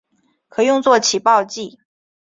可用作起爆剂。